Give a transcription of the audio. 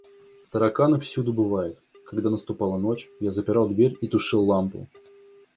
Тараканы всюду бывают; когда наступала ночь, я запирал дверь и тушил лампу.